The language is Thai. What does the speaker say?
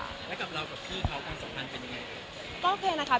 แล้วกับเรากับพี่เขาความสัมพันธ์เป็นยังไงครับ